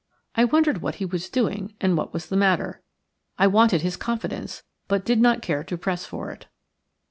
I wondered what he was doing and what was the matter. I wanted his confidence, but did not care to press for it.